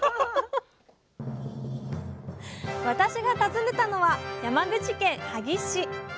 私が訪ねたのは山口県萩市。